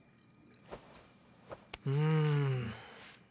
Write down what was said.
うん。